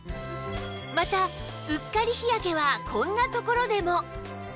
またうっかり日焼けはこんなところでも